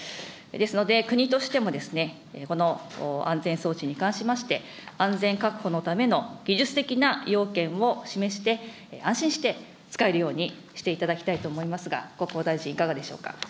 ですので、国としてもこの安全装置に関しまして、安全確保のための技術的な要件を示して、安心して使えるようにしていただきたいと思いますが、国交大臣、いかがでしょうか。